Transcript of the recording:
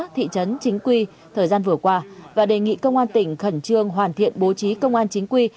thị trấn chính quy thời gian vừa qua và đề nghị công an tỉnh khẩn trương hoàn thiện bố trí công an chính quy